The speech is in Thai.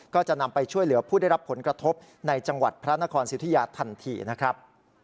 ก็จะนำไปช่วยเหลือผู้ได้รับผลกระทบในจังหวัดพระนครสิทธิยาทันทีนะครับ